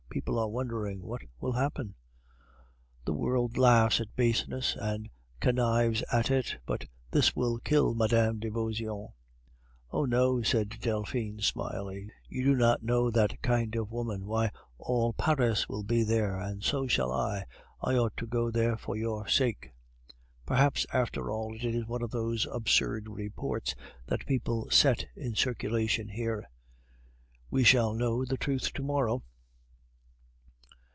People are wondering what will happen?" "The world laughs at baseness and connives at it. But this will kill Mme. de Beauseant." "Oh, no," said Delphine, smiling, "you do not know that kind of woman. Why, all Paris will be there, and so shall I; I ought to go there for your sake." "Perhaps, after all, it is one of those absurd reports that people set in circulation here." "We shall know the truth to morrow."